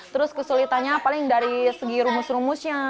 terus kesulitannya paling dari segi rumus rumusnya